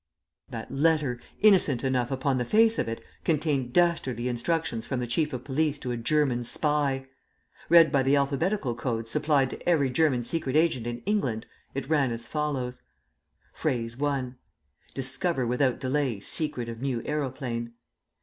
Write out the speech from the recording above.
That letter, innocent enough upon the face of it, contained dastardly instructions from the Chief of Police to a German spy! Read by the alphabetical code supplied to every German secret agent in England, it ran as follows: (Phrase 1). "Discover without delay secret of new aeroplane."